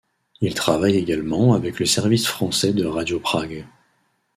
Il travaille également avec le service français de Radio Prague.